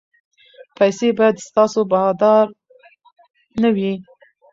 پیسې باید ستاسو بادار نه وي.